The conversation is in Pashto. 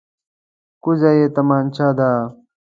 کوزه یې تمانچه ده.